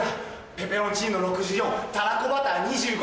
ペペロンチーノ６４たらこバター２５。